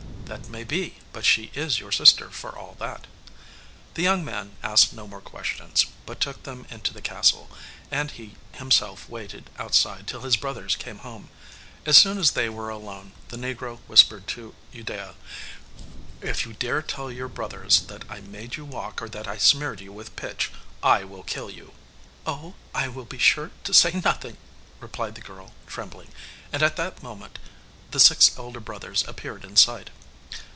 'That may be, but she is your sister for all that.' The young man asked no more questions, but took them into the castle, and he himself waited outside till his brothers came home. As soon as they were alone, the negro whispered to Udea, 'If you dare to tell your brothers that I made you walk, or that I smeared you with pitch, I will kill you.' 'Oh, I will be sure to say nothing,' replied the girl, trembling, and at that moment the six elder brothers appeared in sight.